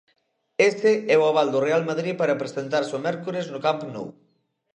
Ese é o aval do Real Madrid para presentarse o mércores no Camp Nou.